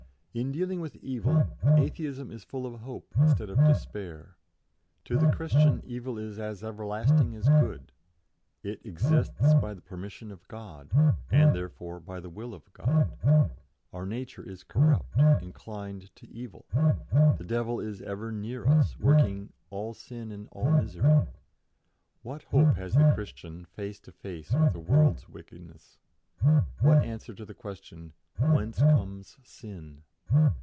"In dealing with evil, Atheism is full of hope instead of despair. To the Christian, evil is as everlasting as good; it exists by the permission of God, and, therefore, by the will of God. Our nature is corrupt, inclined to evil; the devil is ever near us, working all sin and all misery. What hope has the Christian face to face with a world's wickedness? what answer to the question, Whence comes sin?